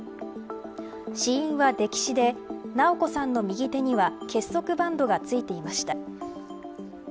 死因は溺死で直子さんの右手には結束バンドがついていました。